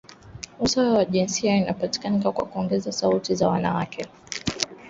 Usawa wa kijinsia unapatikana kwa kuongeza sauti za wanawake, pamoja na kuwashirikisha zaidi vijana.